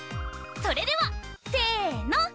それではせの！